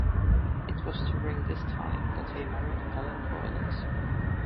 It was during this time that he married Helen Rawlins.